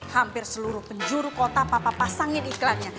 hampir seluruh penjuru kota papa pasangin iklannya